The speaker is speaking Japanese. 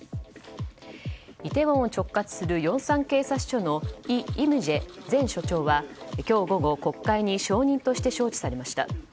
イテウォンを直轄するヨンサン警察署のイ・イムジェ前署長は今日午後、国会に証人として招致されました。